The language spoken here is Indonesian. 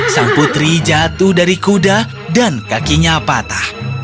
sang putri jatuh dari kuda dan kakinya patah